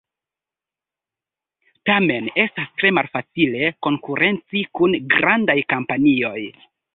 Tamen estas tre malfacile konkurenci kun grandaj kompanioj.